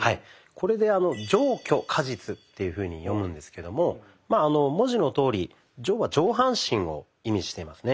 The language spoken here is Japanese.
これで「じょうきょかじつ」というふうに読むんですけどもまあ文字のとおり「上」は上半身を意味していますね。